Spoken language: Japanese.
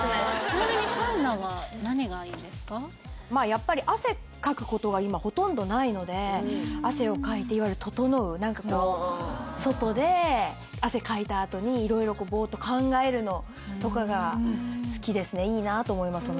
ちなみにやっぱり汗かくことが今ほとんどないので汗をかいていわゆる「ととのう」何かこう外で汗かいたあとに色々ぼーっと考えるのとかが好きですねいいなと思います